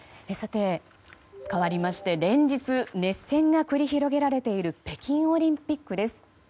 かわりまして連日、熱戦が繰り広げられている北京オリンピックです。